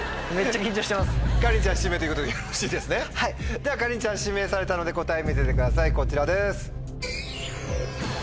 ではかりんちゃん指名されたので答え見せてくださいこちらです。